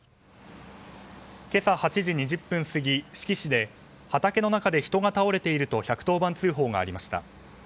今朝８時２０分過ぎ、志木市で畑の中で人が倒れていると１１０番通報がありました。